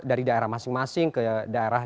dari daerah masing masing ke daerah